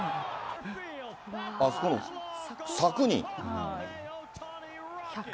あそこの柵に。